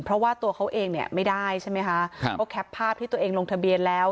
เพราะว่าตัวเขาเองเนี่ยไม่ได้ใช่ไหมคะครับเขาแคปภาพที่ตัวเองลงทะเบียนแล้ว